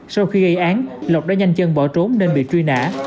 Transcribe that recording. sau khi gây án lộc đã nhanh chân bỏ trốn nên bị truy nã